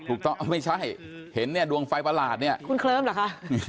ถูกต้องไม่ใช่เห็นเนี่ยดวงไฟประหลาดเนี่ยคุณเคลิ้มเหรอคะ